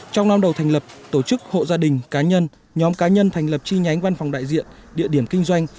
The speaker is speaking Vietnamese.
trong năm đầu thành lập tổ chức hộ gia đình cá nhân nhóm cá nhân thành lập chi nhánh văn phòng đại diện địa điểm kinh doanh